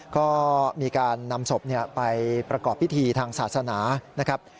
ก็มีการนำศพไปประกอบพิธีทางศาสนานะครับ